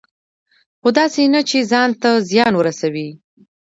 خو داسې نه چې ځان ته زیان ورسوي.